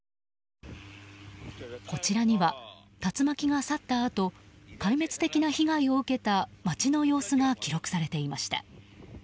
こちらには、竜巻が去ったあと壊滅的な被害を受けた街の様子が記録されていました。